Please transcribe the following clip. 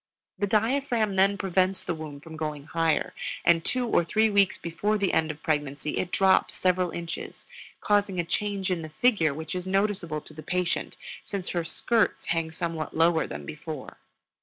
The diaphragm then prevents the womb from going higher; and two or three weeks before the end of pregnancy it drops several inches, causing a change in the figure which is noticeable to the patient, since her skirts hang somewhat lower than before.